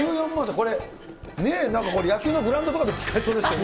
これ、ね、野球のグラウンドとかで使えそうですよね。